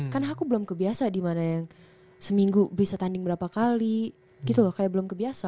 kan aku belum kebiasa dimana yang seminggu bisa tanding berapa kali gitu loh kayak belum kebiasa